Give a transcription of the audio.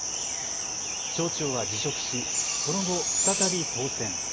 町長は辞職しその後、再び当選。